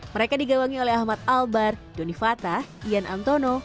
mereka digawangi oleh ahmad albar doni fatah ian antono